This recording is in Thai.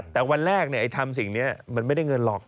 แต่วันแรกทำสิ่งนี้มันไม่ได้เงินหรอก